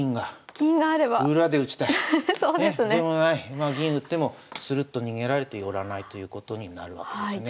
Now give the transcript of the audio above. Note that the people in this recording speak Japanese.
まあ銀打ってもするっと逃げられて寄らないということになるわけですね。